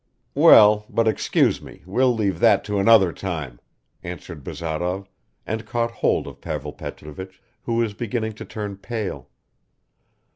"Well, but excuse me, we'll leave that to another time," answered Bazarov, and caught hold of Pavel Petrovich, who was beginning to turn pale.